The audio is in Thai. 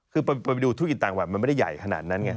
คือประวัติธุรกิจต่างจังหวัดมันไม่ได้ใหญ่ขนาดนั้นไง